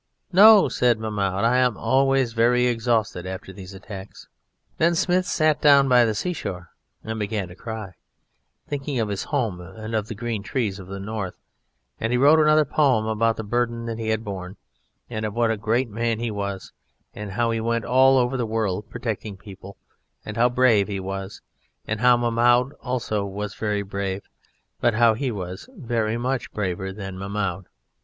"No," said Mahmoud, "I am always very exhausted after these attacks." Then Smith sat down by the seashore and began to cry, thinking of his home and of the green trees and of the North, and he wrote another poem about the burden that he had borne, and of what a great man he was and how he went all over the world protecting people, and how brave he was, and how Mahmoud also was very brave, but how he was much braver than Mahmoud.